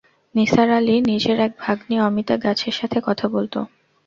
নিসার আলির নিজের এক ভাগনী অমিতা গাছের সাথে কথা বলত।